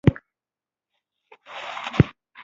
ميرويس خان د ډولچې پړي ته لاس ور وغځاوه.